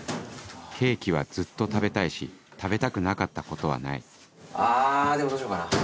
ケーキはずっと食べたいし食べたくなかったことはないあでもどうしようかな。